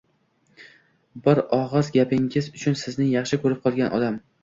Bir og‘iz gapingiz uchun sizni yaxshi ko‘rib qolgan odam